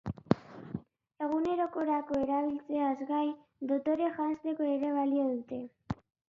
Egunerokorako erabiltzeaz gain, dotore janzteko ere balio dute.